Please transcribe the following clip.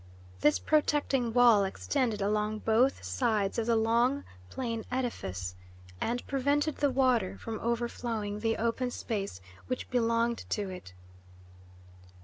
This protecting wall extended along both sides of the long, plain edifice, and prevented the water from overflowing the open space which belonged to it.